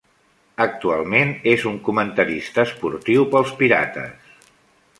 Actualment és un comentarista esportiu pels Pirates.